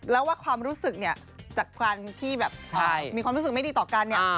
แล้วว่าความรู้สึกเนี่ยจากการที่แบบมีความรู้สึกไม่ดีต่อกันเนี่ย